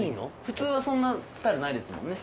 普通はそんなスタイルないですもんね？